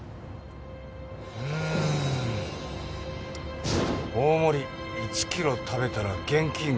うーん大盛り１キロ食べたら現金５０００円。